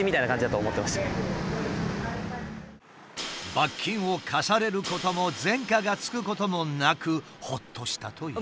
罰金を科されることも前科がつくこともなくホッとしたという。